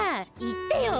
言ってよ。